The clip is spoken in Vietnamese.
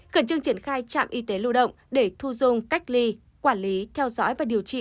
khẩn trương triển khai trạm y tế lưu động để thu dung cách ly quản lý theo dõi và điều trị